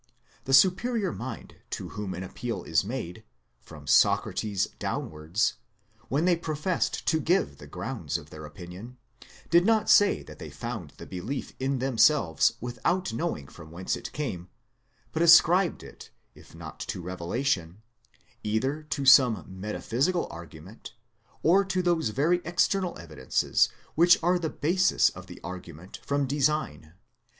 The superior minds to whom an appeal is made, from Socrates downwards, when they professed to give the grounds of their opinion, did not say that they found the belief in themselves without knowing from whence it came, but ascribed it, if not to revelation, either to some metaphysical argunlent, or to those very external evidences which are the basis of the argu ment from Design.